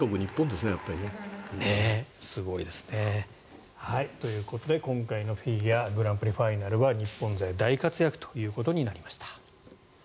すごいですね。ということで今回のフィギュアグランプリファイナルは日本勢大活躍ということになりました。